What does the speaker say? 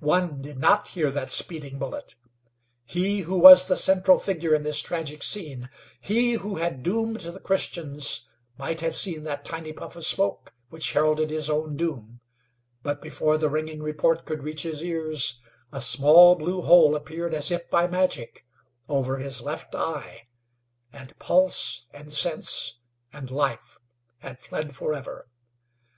One did not hear that speeding bullet. He who was the central figure in this tragic scene, he who had doomed the Christians might have seen that tiny puff of smoke which heralded his own doom, but before the ringing report could reach his ears a small blue hole appeared, as if by magic, over his left eye, and pulse, and sense, and life had fled forever.